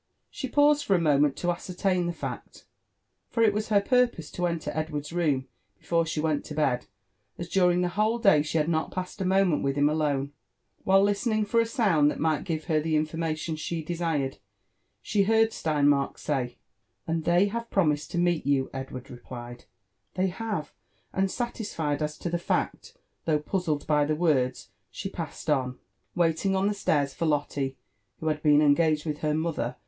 She paused for a moment to ascertain the fact; for it was her purpose to enter Edward's room before she went to bed, as during the whole day she had not passed a moment with him alone. Whilst listening for a Sound that might give her the information she desired, she heard Sleinmark say, And they have promised to meet you?" Edward replied, '' They have;" and satisfied as to the fact, though puzzled by Ihe words, she passed on, waiting on the stairs for Lotte, who had been engaged with her mother.